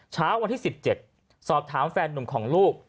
เช้าวันที่๑๗สอบถามแฟนหนุ่มของลูก